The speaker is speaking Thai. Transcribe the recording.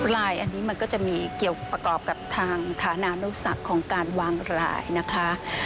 รายอันนี้มันก็จะมีเกี่ยวกับประกอบกับทางค้านานุสักของการวางรายนะคะ